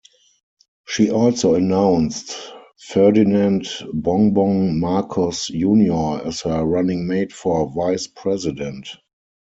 She also announced Ferdinand "Bongbong" Marcos Junior as her running mate for vice president.